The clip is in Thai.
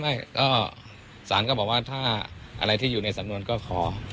ไม่ก็สารก็บอกว่าถ้าอะไรที่อยู่ในสำนวนก็ขอ